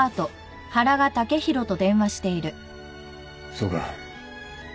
そうか。